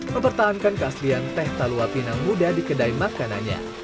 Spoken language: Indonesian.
mempertahankan keaslian teh talua pinang muda di kedai makanannya